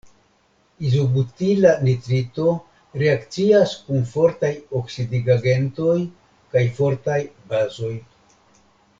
Izobutila nitrito reakcias kun fortaj oksidigagentoj kaj fortaj bazoj.